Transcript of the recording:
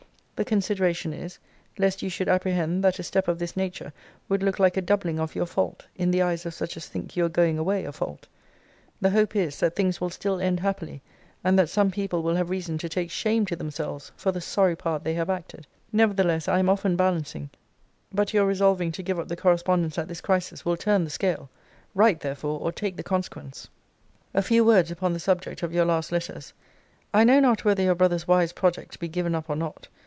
The consideration is, lest you should apprehend that a step of this nature would look like a doubling of your fault, in the eyes of such as think your going away a fault. The hope is, that things will still end happily, and that some people will have reason to take shame to themselves for the sorry part they have acted. Nevertheless I am often balancing but your resolving to give up the correspondence at this crisis will turn the scale. Write, therefore, or take the consequence. A few words upon the subject of your last letters. I know not whether your brother's wise project be given up or not.